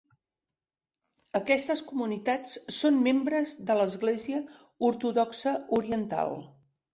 Aquestes comunitats són membres de l'Església ortodoxa oriental.